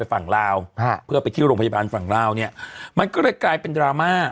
ฝั่งลาวเพื่อไปที่โรงพยาบาลฝั่งลาวเนี่ยมันก็เลยกลายเป็นดราม่า